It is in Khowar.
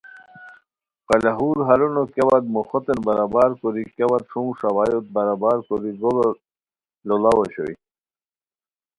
قلاہور ہارینو کیا وت موخوتین برابر کوری کیا وت شونگ ݰاوائیوت برابر کوری گوڑو لوڑاؤ اوشوئے